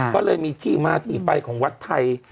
ก็เลยมีที่มาที่ไปของวัดไทย